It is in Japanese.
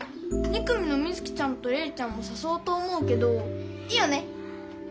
２組の美月ちゃんと玲ちゃんもさそおうと思うけどいいよね？